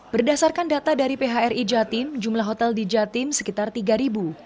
berdasarkan data dari phri jatim jumlah hotel di jatim sekitar tiga ribu